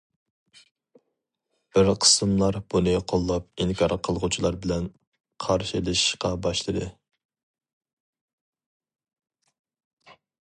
بىر قىسىملار بۇنى قوللاپ ئىنكار قىلغۇچىلار بىلەن قارشىلىشىشقا باشلىدى.